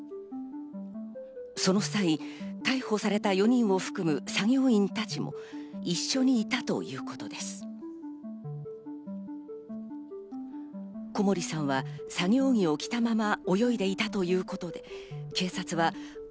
その際、逮捕された４人を含む作業員たちも一緒にいたということです。